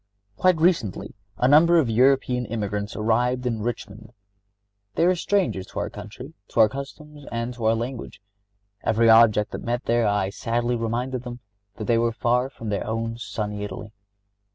Quite recently a number of European emigrants arrived in Richmond. They were strangers to our country, to our customs and to our language. Every object that met their eye sadly reminded them that they were far from their own sunny Italy.